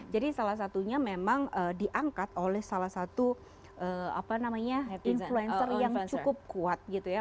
jadi salah satunya memang diangkat oleh salah satu influencer yang cukup kuat gitu ya